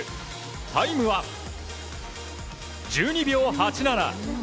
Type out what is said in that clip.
タイムは１２秒８７。